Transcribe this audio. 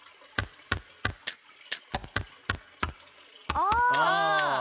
ああ！